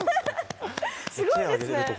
すごいですね！